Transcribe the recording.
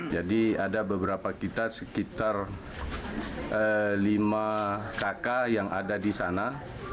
jadi ada beberapa kita sekitar lima kakak yang ada di sana